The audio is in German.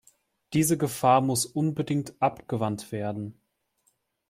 Diese Gefahr muss unbedingt abgewandt werden.